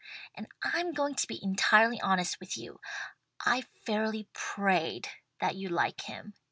And I'm going to be entirely honest with you I've fairly prayed that you'd like him.